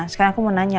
sekarang aku mau nanya